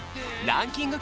ランキング